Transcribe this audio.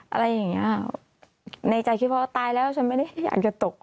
อะไรอย่างเงี้ยในใจคิดว่าตายแล้วฉันไม่ได้อยากจะตก